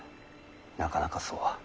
なかなかそうは。